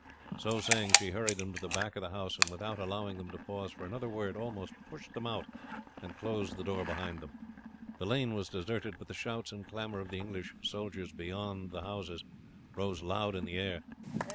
So saying, she hurried them to the back of the house, and without allowing them to pause for another word almost pushed them out, and closed the door behind them. The lane was deserted; but the shouts and clamour of the English soldiers beyond the houses rose loud in the air.